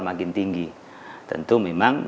makin tinggi tentu memang